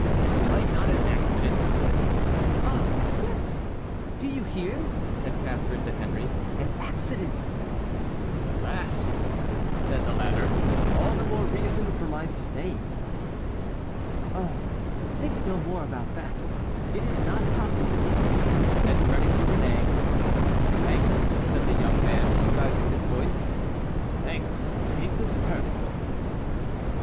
But might not an accident"— "Ah, yes, do you hear?" said Catharine to Henry, "an accident"— "Alas!" said the latter, "all the more reason for my staying." "Oh, think no more about that: it is not possible." Then turning to Réné: "Thanks," said the young man, disguising his voice, "thanks; take this purse."